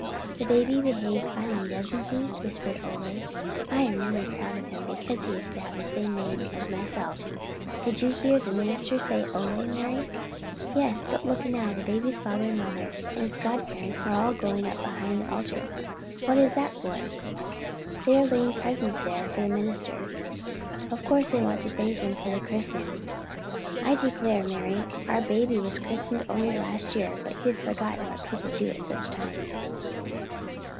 "The baby behaves finely, doesn't he?" whispered Ole. "I am real proud of him because he is to have the same name as myself. Did you hear the minister say Ole, Mari?" "Yes, but look now. The baby's father and mother and his godparents are all going up behind the altar. What is that for?" "They are laying presents there for the minister. Of course they want to thank him for the christening. I declare, Mari, our baby was christened only last year, and you have forgotten what people do at such times."